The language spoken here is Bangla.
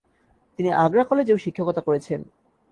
তিনি আগ্রা কলেজেও শিক্ষকতা করেছেন।